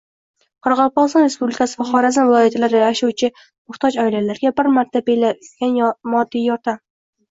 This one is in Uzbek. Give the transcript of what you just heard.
Qoraqalpog‘iston Respublikasi va Xorazm viloyatlarida yashovchi muhtoj oilalarga bir marta beriladigan moddiy yordam